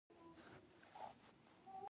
ضروري کارونه مې خلاص شول.